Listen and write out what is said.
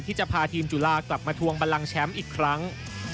ที่จะพาทีมจุฬากลับมาทวงบันลังแชมป์อีกครั้ง